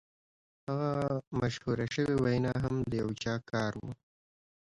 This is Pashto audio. هغه مشهوره شوې وینا هم د یو چا کار و